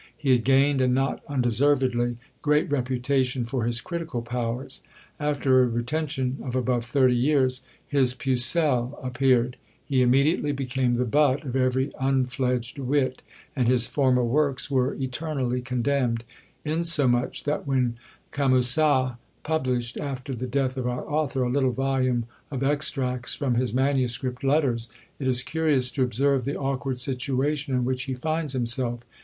He had gained, and not undeservedly, great reputation for his critical powers. After a retention of above thirty years, his Pucelle appeared. He immediately became the butt of every unfledged wit, and his former works were eternally condemned; insomuch that when Camusat published, after the death of our author, a little volume of extracts from his manuscript letters, it is curious to observe the awkward situation in which he finds himself.